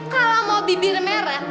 kalau mau bibir merah